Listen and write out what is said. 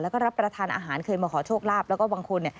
แล้วก็รับประทานอาหารเคยมาขอโชคลาภแล้วก็บางคน